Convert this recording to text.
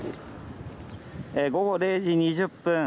午後０時２０分。